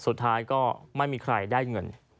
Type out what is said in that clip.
สุดท้ายก็ไม่มีใครได้เงิน